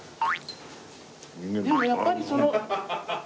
でもやっぱりその。